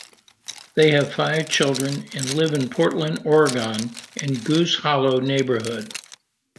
They have five children, and live in Portland, Oregon in the Goose Hollow neighborhood.